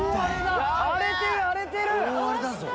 荒れてる荒れてる！